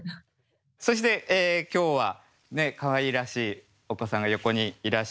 そして今日はかわいらしいお子さんが横にいらっしゃいます。